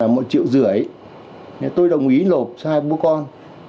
một triệu rưỡi tôi đồng ý lộp cho hai bố con